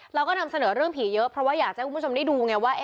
เราก็นำเสนอเรื่องผีเยอะเพราะว่าอยากจะให้คุณผู้ชมได้ดูไงว่า